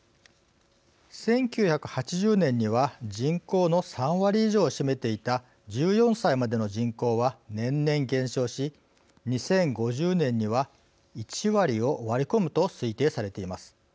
１９８０年には人口の３割以上を占めていた１４歳までの人口は年々減少し２０５０年には１割を割り込むと推定されています。